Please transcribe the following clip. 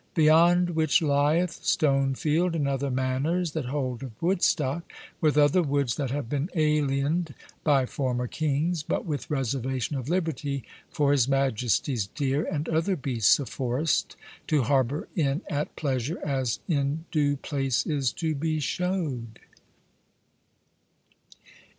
Beyond which lieth Stonefield, and other mannors that hold of Woodstock, with other woods, that have been aliened by former kings, but with reservation of liberty for his majestie's deer, and other beasts of forrest, to harbour in at pleasure, as in due place is to be shewed.